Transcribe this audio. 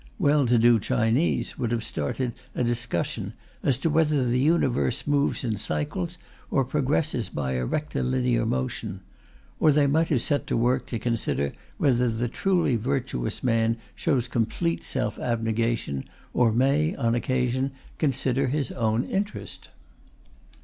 Well to do Chinese would have started a discussion as to whether the universe moves in cycles or progresses by a rectilinear motion; or they might have set to work to consider whether the truly virtuous man shows complete self abnegation, or may, on occasion, consider his own interest.